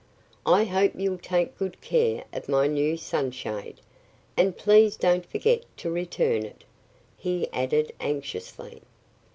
I hope you'll take good care of my new sunshade. And please don't forget to return it!" he added anxiously.